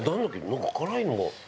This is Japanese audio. なんか辛いのが。